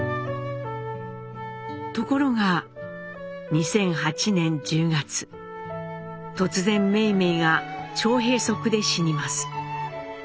ところが２００８年１０月突然梅梅が腸閉塞で死にます。